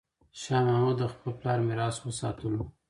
شاه محمود د خپل پلار میراث وساتلو.